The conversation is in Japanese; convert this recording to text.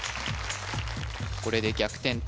これで逆転